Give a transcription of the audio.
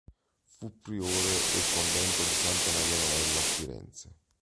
Fu priore del convento di Santa Maria Novella a Firenze.